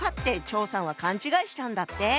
張さんは勘違いしたんだって。